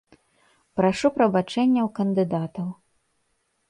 Прашу прабачэння ў кандыдатаў.